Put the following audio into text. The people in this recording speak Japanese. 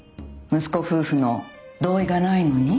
息子夫婦の同意がないのに？